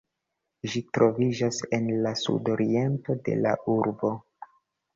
Ĝi troviĝas en la sudoriento de la urbo.